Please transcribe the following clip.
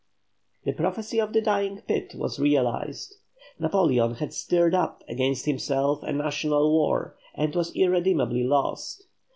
The prophecy of the dying Pitt was realised. Napoleon had stirred up against himself a national war and was irremediably lost.